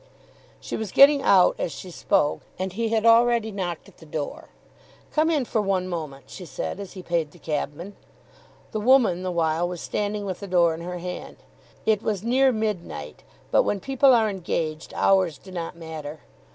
She was getting out as she spoke, and he had already knocked at the door. "Come in for one moment," she said as he paid the cabman. The woman the while was standing with the door in her hand. It was near midnight, but, when people are engaged, hours do not matter.